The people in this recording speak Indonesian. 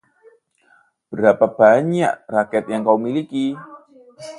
Berapa banyak raket yang kau miliki?